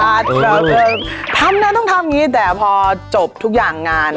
เออเออทำเนี้ยต้องทำงี้แต่พอจบทุกอย่างงาน